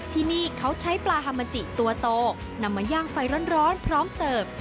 ที่นี่เขาใช้ปลาฮามาจิตัวโตนำมาย่างไฟร้อนพร้อมเสิร์ฟ